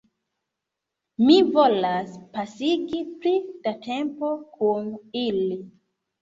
Mi volas pasigi pli da tempo kun ili